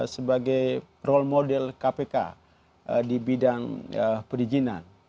sebagai role model kpk di bidang perizinan